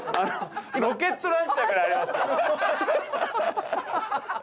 ロケットランチャーくらいありますよ。